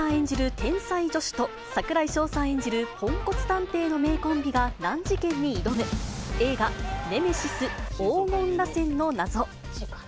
天才助手と、櫻井翔さん演じるポンコツ探偵の名コンビが難事件に挑む、映画、ネメシス黄金螺旋の謎。